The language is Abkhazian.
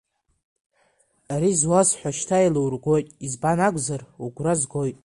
Ари зуасҳәо шьҭа еилургоит, избан акәзар угәра згоит.